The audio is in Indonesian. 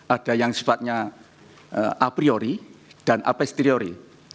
ada yang sifatnya a priori dan apesteori